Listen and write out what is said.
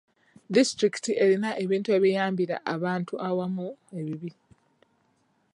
Disitulikiti erina ebintu ebiyambira abantu awamu ebibi.